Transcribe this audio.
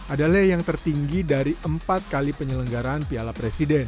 adalah yang tertinggi dari empat kali penyelenggaraan piala presiden